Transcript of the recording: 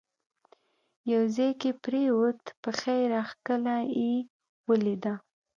یو ځای کې پرېوت، پښه یې راکښله، یې ولیده.